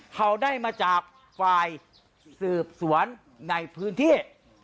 เขาได้มาจากฝ่ายสืบสวนในพื้นที่